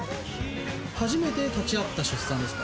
初めて立ち会った出産ですか？